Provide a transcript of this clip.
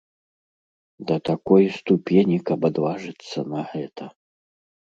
Да такой ступені, каб адважыцца на гэта?